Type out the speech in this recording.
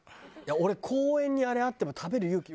俺公園にあれあっても食べる勇気。